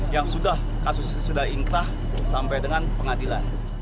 yang sudah kasusnya sudah inkrah sampai dengan pengadilan